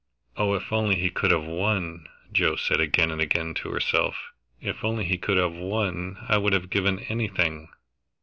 "Oh, if only he could have won!" Joe said again and again to herself. "If only he could have won, I would have given anything!"